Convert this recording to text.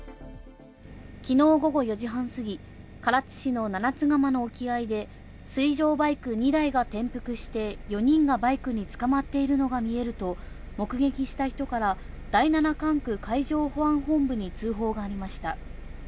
きのう午後４時半過ぎ、唐津市の七ツ釜の沖合で水上バイク２台が転覆して、４人がバイクにつかまっているのが見えると目撃した人から第七管区海上保安本部に通報がありました。